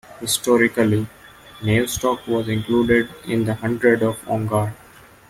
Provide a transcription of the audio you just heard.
Historically Navestock was included in the hundred of Ongar.